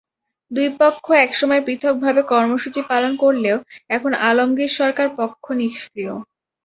দুই পক্ষ একসময় পৃথকভাবে কর্মসূচি পালন করলেও এখন আলমগীর সরকার পক্ষ নিষ্ক্রিয়।